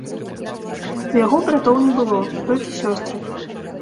У яго братоў не было, толькі сёстры.